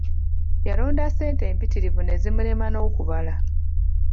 Yalonda ssente mpitirivu ne zimulema n'okubala.